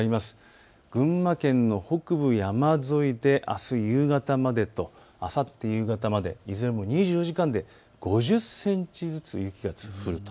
群馬県の北部山沿いであす夕方までと、あさって夕方までといずれも２４時間で５０センチずつ雪が降ると。